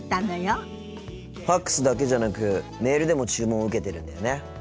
ＦＡＸだけじゃなくメールでも注文を受けてるんだよね。